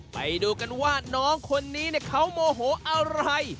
ไปดูกันว่าน้องคนนี้เขาโมโหอะไร